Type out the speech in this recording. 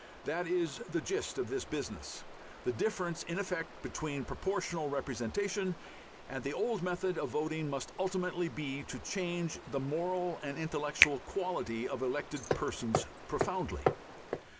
That is the gist of this business. The difference in effect between Proportional Representation and the old method of voting must ultimately be to change the moral and intellectual quality of elected persons profoundly.